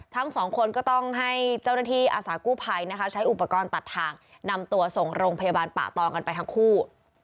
ทั้งสองคนก็ต้องให้เจ้าหน้าที่อาสากู้ภัยนะคะใช้อุปกรณ์ตัดทางนำตัวส่งโรงพยาบาลป่าตองกันไปทั้งคู่